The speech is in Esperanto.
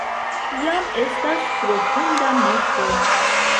Jam estas profunda nokto.